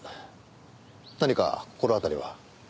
何か心当たりは？